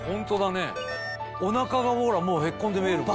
お腹がほらもうへっこんで見えるもん。